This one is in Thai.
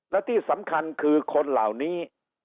และที่สำคัญคือคนเหล่านี้